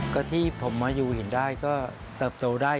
ก็ที่ผมมาอยู่หินได้ก็เติบโตได้